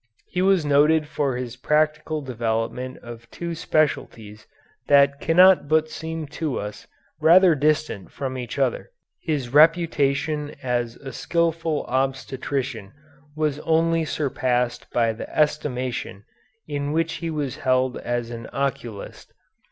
He was noted for his practical development of two specialties that cannot but seem to us rather distant from each other. His reputation as a skilful obstetrician was only surpassed by the estimation in which he was held as an oculist.